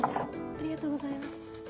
ありがとうございます。